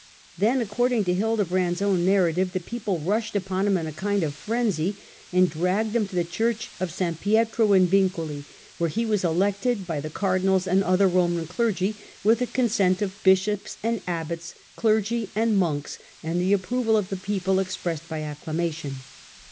Then, according to Hildebrand's own narrative, the people rushed upon him in a kind of frenzy, and dragged him to the Church of St. Pietro in Vincoli, where he was elected by the cardinals and other Soman clergy, with the consent of bishops and abbots, clergy and monks, and the approval of the people expressed by acclamation.